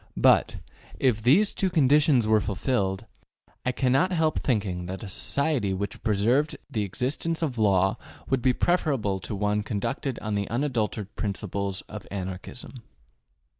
But, if these two conditions were fulfilled, I cannot help thinking that a society which preserved the existence of law would be preferable to one conducted on the unadulterated principles of Anarchism.